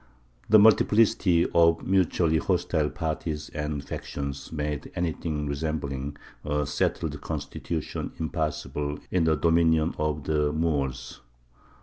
The multiplicity of mutually hostile parties and factions made anything resembling a settled constitution impossible in the dominion of the Moors.